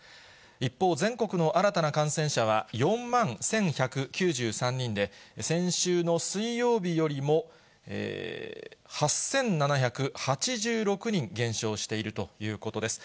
一方、全国の新たな感染者は４万１１９３人で、先週の水曜日よりも８７８６人減少しているということです。